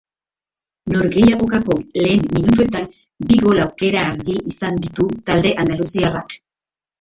Norgehiagokako lehen minutuetan, bi gol aukera argi izan ditu talde andaluziarrak.